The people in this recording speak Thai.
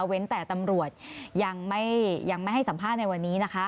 แต่ตำรวจยังไม่ให้สัมภาษณ์ในวันนี้นะคะ